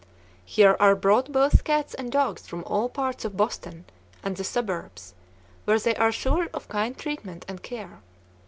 Here are brought both cats and dogs from all parts of Boston and the suburbs, where they are sure of kind treatment and care.